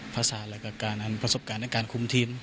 ภาษาและการทำประสบการณ์ในการคุมทีม